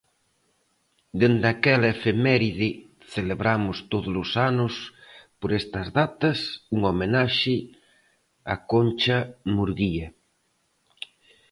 Dende aquela efeméride celebramos tódolos anos por estas datas unha homenaxe a Concha Murguía.